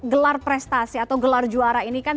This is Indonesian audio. gelar prestasi atau gelar juara ini kan